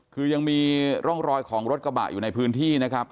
คือยังมีร่องรอยของรถกระบะอยู่ในพื้นที่นะครับ